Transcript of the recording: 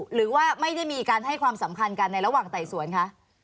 หรือว่าไม่ได้มีการให้ความสำคัญกันในระหว่างไต่สวนคะ